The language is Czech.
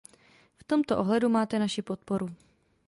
V tomto ohledu máte naši podporu.